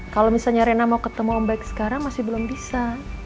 kalau misalnya rena mau ketemu ombak sekarang masih belum bisa